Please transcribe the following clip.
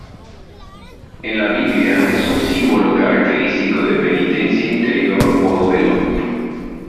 En la Biblia es un símbolo característico de penitencia interior o duelo.